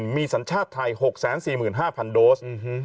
มีสัญชาติไทย๖๔๕๐๐โดส